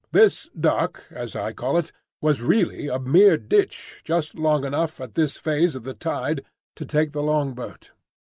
This dock, as I call it, was really a mere ditch just long enough at this phase of the tide to take the longboat.